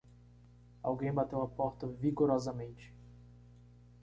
Alguém bateu a porta vigorosamente